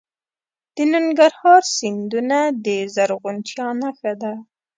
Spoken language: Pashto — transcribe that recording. د ننګرهار سیندونه د زرغونتیا نښه ده.